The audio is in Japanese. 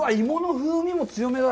芋の風味も強めだ。